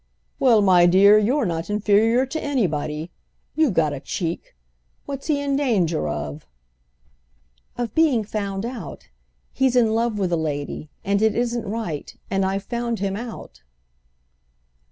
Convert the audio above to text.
"Well, my dear, you're not inferior to anybody. You've got a cheek! What's he in danger of?" "Of being found out. He's in love with a lady—and it isn't right—and I've found him out."